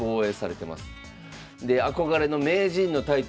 で憧れの名人のタイトル